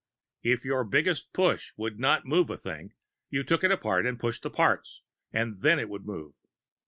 If your biggest push would not move a thing, you took it apart and pushed the parts, and then it would move.